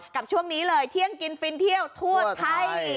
กับช่วงนี้เลยเที่ยงกินฟินเที่ยวทั่วไทย